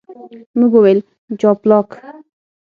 موږ وویل، جاپلاک.